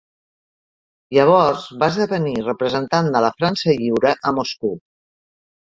Llavors va esdevenir representant de la França Lliure a Moscou.